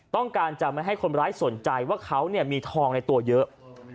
ต้องการจะไม่ให้คนร้ายสนใจว่าเขามีทองในตัวเยอะ